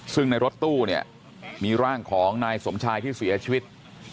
ซึ่งในรถตู้เนี่ยมีร่างของนายสมชายที่เสียชีวิต